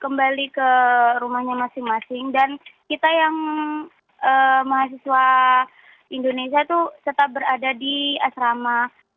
kembali ke rumahnya masing masing dan kita yang mahasiswa indonesia itu tetap berada di asrama